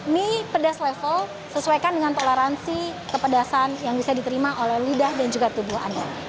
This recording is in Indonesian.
mie pedas level sesuaikan dengan toleransi kepedasan yang bisa diterima oleh lidah dan juga tubuh anda